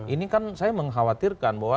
ini kan saya mengkhawatirkan bahwa